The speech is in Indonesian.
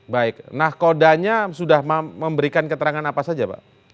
baik nah kodanya sudah memberikan keterangan apa saja pak